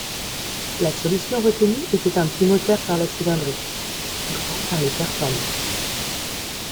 La solution retenue était un petit moteur par la cylindrée, grand par les performances.